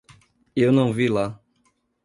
Eu não vi lá.